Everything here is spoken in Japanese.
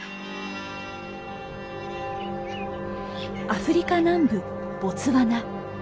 アフリカ南部ボツワナ。